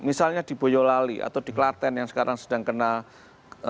ya misalnya di boyolali atau di klaten yang sekarang sedang kena apa namanya letusan